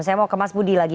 saya mau ke mas budi lagi